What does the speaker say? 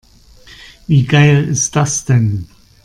Wie geil ist das denn?